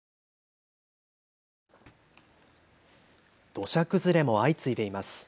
土砂崩れも相次いでいます。